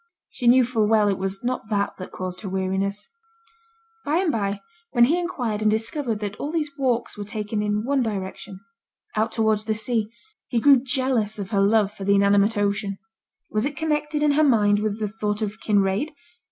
She knew full well it was not that that caused her weariness. By and by, when he inquired and discovered that all these walks were taken in one direction, out towards the sea, he grew jealous of her love for the inanimate ocean. Was it connected in her mind with the thought of Kinraid?